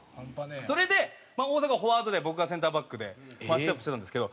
それで大迫はフォワードで僕がセンターバックでマッチアップしてたんですけど。